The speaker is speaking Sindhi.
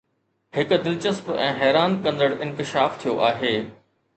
هڪ دلچسپ ۽ حيران ڪندڙ انڪشاف ٿيو آهي